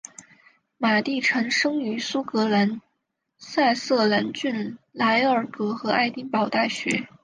马地臣生于苏格兰萨瑟兰郡莱尔格和爱丁堡大学。